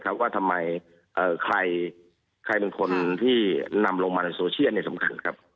ว่าทำไมใครเป็นคนที่นำลงมาในโซเชียลสำคัญครับ